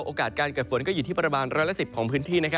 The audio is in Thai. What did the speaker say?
โอกาสการเกิดฝนก็อยู่ที่ประมาณ๑๑๐ของพื้นที่